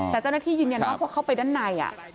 แต่เจ้าหน้าที่ยืนยันว่าพอเข้าไปด้านใน